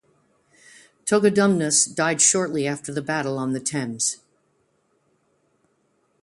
Togodumnus died shortly after the battle on the Thames.